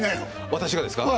私がですか？